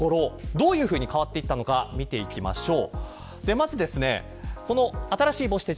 どういうふうに変わっていったのか見ていきましょう。